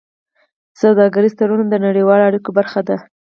سوداګریز تړونونه د نړیوالو اړیکو برخه ده.